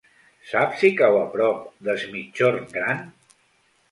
Saps si cau a prop d'Es Migjorn Gran?